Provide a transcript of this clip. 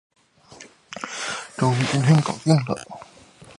终于今天搞定了